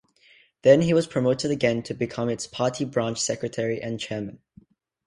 Then he was promoted again to become its Party Branch Secretary and chairman.